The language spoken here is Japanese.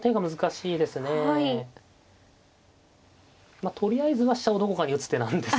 まあとりあえずは飛車をどこかに打つ手なんです。